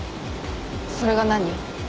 それが何？